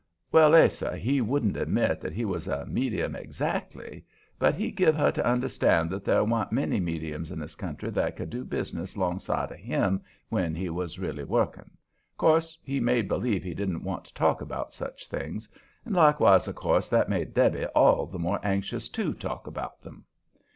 Well, Ase, he wouldn't admit that he was a medium exactly, but he give her to understand that there wa'n't many mediums in this country that could do business 'longside of him when he was really working. 'Course he made believe he didn't want to talk about such things, and, likewise of course, that made Debby all the more anxious TO talk about 'em.